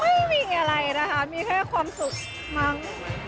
ไม่มีอะไรนะคะมีแค่ความสุขมั้ง